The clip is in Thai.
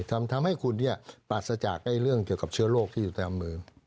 ทำให้คุณปราศจากเรื่องเกี่ยวกับเชื้อโรคที่อยู่ตามมือ